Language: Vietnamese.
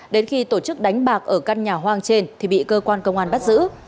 đến khi tổ chức đánh bạc ở căn nhà hoang trên thì bị cơ quan công an bắt giữ